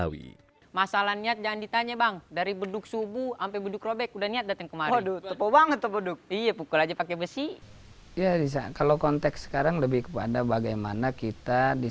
cingkrik ini berasal dari bahasa betawi